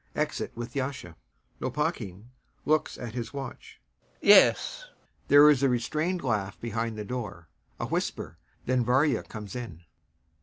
[Exit with YASHA.] LOPAKHIN. [Looks at his watch] Yes.... [There is a restrained laugh behind the door, a whisper, then VARYA comes in.